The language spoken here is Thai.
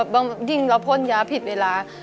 บางทีเราพ่นย้าผิดเวลา